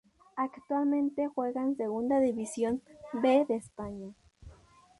Actualmente juega en Segunda División B de España.